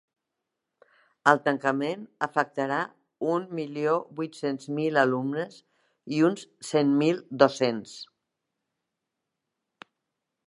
El tancament afectarà un milió vuit-cents mil alumnes i uns cent mil docents.